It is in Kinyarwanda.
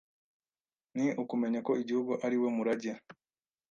ni ukumenya ko igihugu ari wo murage